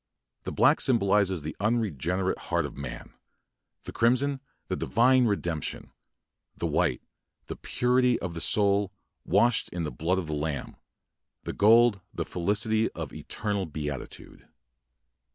The black symbolises the unregenerate heart of man; the crimson, the divine redemp tion; the white, the puri^ of the soul "washed in the blood of the Lamb"; the gold, the felicity of eternal beati tude.